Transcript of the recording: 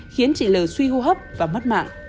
khiến trị lỡ suy hô hấp và mất mạng